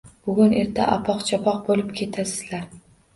Bugun-yerta apoq-chapoq bo‘lib ketasizlar.